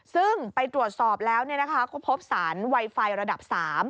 ซึ่งไปตรวจสอบแล้วก็พบสารไวไฟระดับ๓